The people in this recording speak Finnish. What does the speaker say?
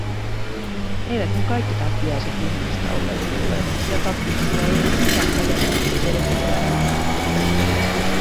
Eiväthän kaikki tappiaiset ihmisistä olleet kuulleet, sillä tappiaisilla ei ollut mitään moderneja yhteydenpitovälineitä.